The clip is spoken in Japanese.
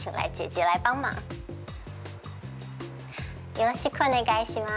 よろしくお願いします。